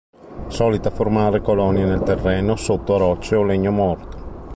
È solita formare colonie nel terreno, sotto a rocce o legno morto.